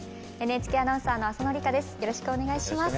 ＮＨＫアナウンサーの浅野里香です。